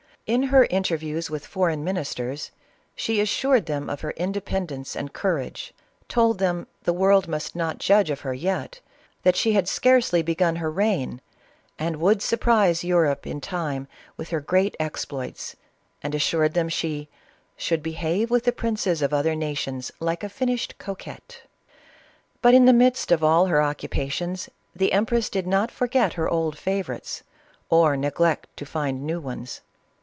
In her interviews with foreign ministers, she assured them of her independence and courage, told them the world must not judge of her yet, that she had scarcely begun her reign and would surprise Europe in time with her great exploits, and assured them she " should behave with the princes of other na tions like a finished coquette." But in the midst of all her occupations, the empress did not forget her old favorites or neglect to find new ones.